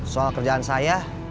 soal kerjaan saya